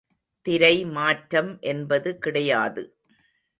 திரை மாற்றம் என்பது கிடையாது.